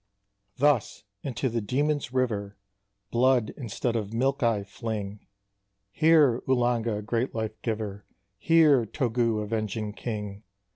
"Thus into the Demon's River Blood instead of milk I fling: Hear, Uhlanga great Life Giver! Hear, Togúh Avenging King!